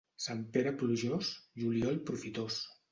Sant Pere plujós, juliol profitós.